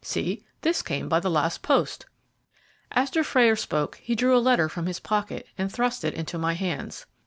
See; this came by the last post." As Dufrayer spoke he drew a letter from his pocket and thrust it into my hands.